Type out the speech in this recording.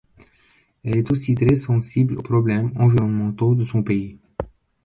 Elle est aussi très sensible aux problèmes environnementaux de son pays.